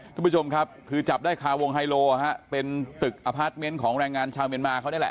ทุกผู้ชมครับคือจับได้คาวงไฮโลฮะเป็นตึกอพาร์ทเมนต์ของแรงงานชาวเมียนมาเขานี่แหละ